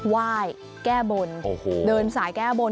ไหว้แก้บนเดินสายแก้บน